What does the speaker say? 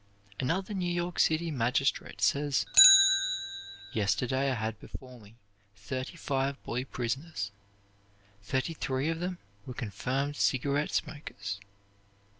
Another New York City magistrate says: "Yesterday I had before me thirty five boy prisoners. Thirty three of them were confirmed cigarette smokers.